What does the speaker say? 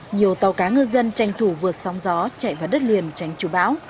nhiều tàu cá ngư dân tranh thủ vượt sóng gió chạy vào đất liền tránh chú bão